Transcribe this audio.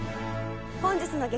本日の激